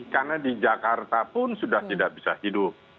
karena di jakarta pun sudah tidak bisa hidup